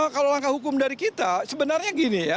kalau langkah hukum dari kita sebenarnya gini ya